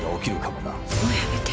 もうやめて。